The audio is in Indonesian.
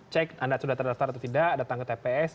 cek anda sudah terdaftar atau tidak datang ke tps